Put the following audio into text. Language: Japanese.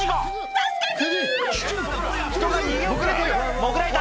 ・助けて！